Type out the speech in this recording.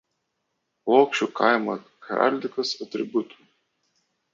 Plokščių kaimo heraldikos atributų.